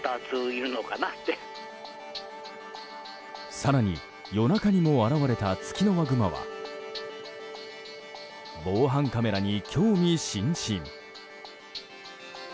更に、夜中にも現れたツキノワグマは防犯カメラに興味津々。